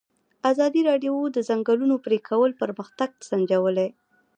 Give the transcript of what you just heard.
ازادي راډیو د د ځنګلونو پرېکول پرمختګ سنجولی.